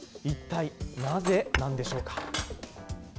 一体なぜなんでしょうか。